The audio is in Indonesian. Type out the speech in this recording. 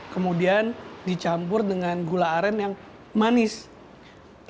kemudian dicampur dengan gula aren yang manis tapi ada kelapanya juga jadi ini tekstur perpaduan antara rasanya enak banget